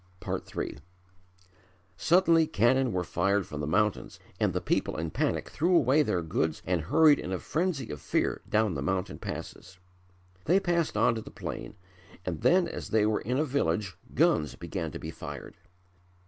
III Suddenly cannon were fired from the mountains and the people in panic threw away their goods and hurried in a frenzy of fear down the mountain passes. They passed on to the plain, and then as they were in a village guns began to be fired.